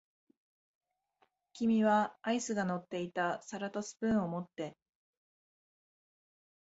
君はアイスが乗っていた皿とスプーンを持って、